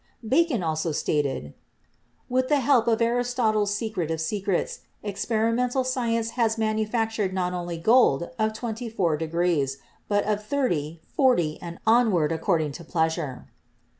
Bacon also stated that "With the help of Aristotle's 'Secret of Secrets/ experimental science has manufactured not only gold of twenty four degrees, but of thirty, forty and on ward according to pleasure."